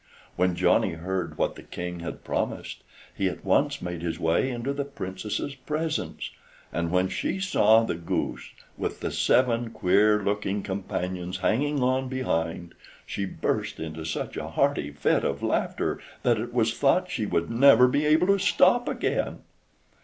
When Johnny heard what the King had promised, he at once made his way into the Princess's presence, and when she saw the goose, with the seven queer looking companions hanging on behind, she burst into such a hearty fit of laughter that it was thought she would never be able to stop again.